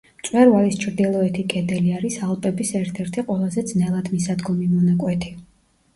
მწვერვალის ჩრდილოეთი კედელი არის ალპების ერთ-ერთი ყველაზე ძნელადმისადგომი მონაკვეთი.